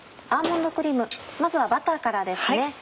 アーモンドクリームまずはバターからですね。